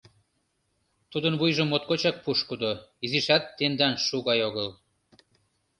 — Тудын вуйжо моткочак пушкыдо, изишат тендан шу гай огыл.